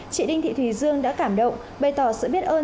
chị đinh thị thùy dương đã cảm động bày tỏ sự biết ơn